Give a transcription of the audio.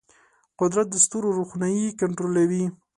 قدرت د ستورو روښنايي کنټرولوي.